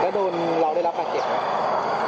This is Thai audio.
แล้วโดนเราได้รับบาดเจ็บไหม